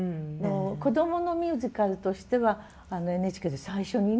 こどものミュージカルとしてはＮＨＫで最初にね